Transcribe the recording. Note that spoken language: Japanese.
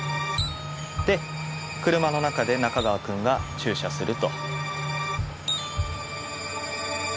で車の中で中川君が注射すると。